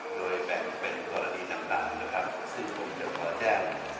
โดยแบ่งเป็นกรณีต่างนะครับซึ่งผมจะขอแจ้ง